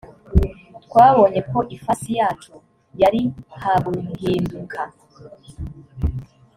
twabonye ko ifasi yacu yari ha guhinduka